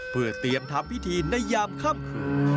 เพื่อเตรียมทำพิธีในยามค่ำคืน